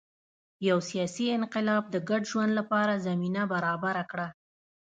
یو سیاسي انقلاب د ګډ ژوند لپاره زمینه برابره کړه